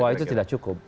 wah itu tidak cukup